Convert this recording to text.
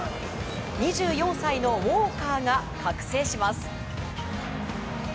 ２４歳のウォーカーが覚醒します。